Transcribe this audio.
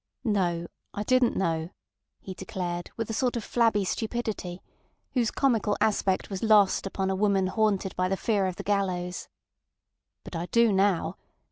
"No; I didn't know," he declared, with a sort of flabby stupidity, whose comical aspect was lost upon a woman haunted by the fear of the gallows, "but I do now.